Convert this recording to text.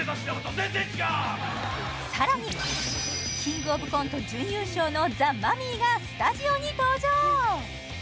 更に「キングオブコント」準優勝のザ・マミィがスタジオに登場！